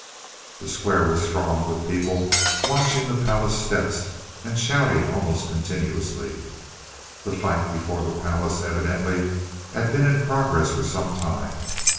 The square was thronged with people watching the palace steps and shouting almost continuously. The fight before the palace evidently had been in progress for some time.